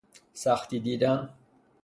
سختی دیدن